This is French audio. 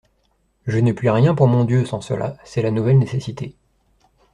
Je ne puis rien pour mon Dieu, sans cela: c'est la nouvelle nécessité.